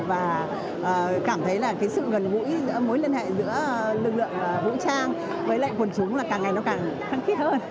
và cảm thấy là cái sự gần gũi mối liên hệ giữa lực lượng vũ trang với lại quân chúng là càng ngày nó càng thân thiết hơn